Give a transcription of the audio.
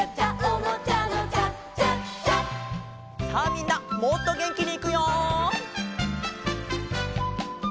みんなもっとげんきにいくよ！